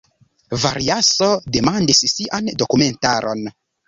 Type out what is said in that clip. Variaso demandis sian dokumentaron.